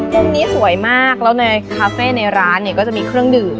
พวกนี้สวยมากแล้วในคาเฟ่ในร้านเนี่ยก็จะมีเครื่องดื่ม